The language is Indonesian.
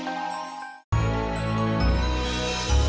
dan aku harus melindungimu